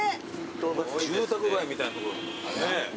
住宅街みたいなとこだ。